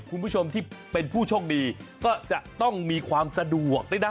คุณผู้ชมที่เป็นผู้โชคดีก็จะต้องมีความสะดวกด้วยนะ